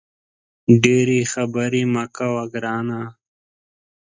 ډېري خبري مه کوه ګرانه !